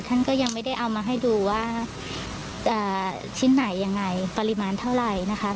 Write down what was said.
ท่านก็ยังไม่ได้เอามาให้ดูว่าชิ้นไหนยังไงปริมาณเท่าไหร่นะคะ